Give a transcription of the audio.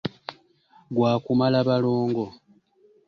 Gwa kumala balongo.